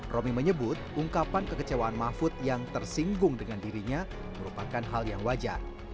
romi menyebut ungkapan kekecewaan mahfud yang tersinggung dengan dirinya merupakan hal yang wajar